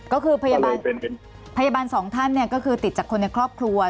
ก็คือพยาบาลสองท่านก็คือติดจากคนในครอบครัว